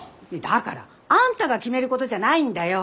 だからあんたが決めることじゃないんだよ。